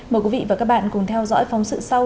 mời quý vị và các bạn cùng theo dõi phóng sự sau